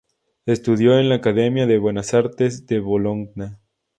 Estudió en la Academia de Buenas Artes de Bologna.